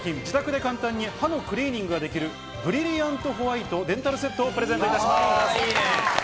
自宅で簡単に歯のクリーニングができる「ブリリアントホワイトデンタルセット」をプレゼントいたします。